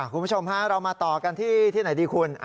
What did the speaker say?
คุณผู้ชมฮะเรามาต่อกันที่ไหนดีคุณ